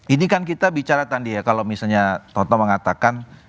ini kan kita bicara tadi ya kalau misalnya tonto mengatakan